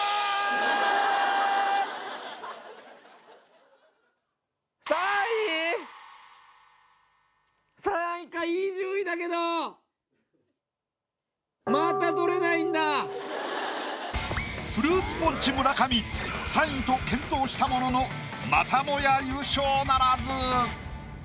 ・フルーツポンチ・村上３位と健闘したもののまたもや優勝ならず。